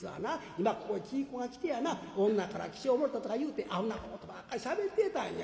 今ここへ喜ぃ公が来てやな女から起請もろたとか言うてアホなことばっかりしゃべってたんや。